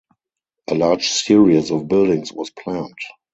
A large series of buildings was planned.